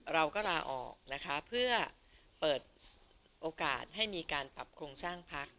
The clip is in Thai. เราก็ลาออกนะคะเพื่อเปิดโอกาสให้มีการปรับโครงสร้างพัก